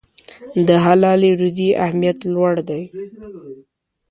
د حلالې روزي اهمیت لوړ دی.